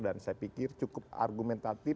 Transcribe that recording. dan saya pikir cukup argumentatif cukup rahasia